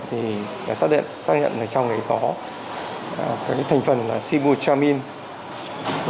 thì đã xác nhận là trong này có thành phần là sibutramine